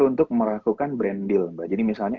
untuk melakukan brand deal mbak jadi misalnya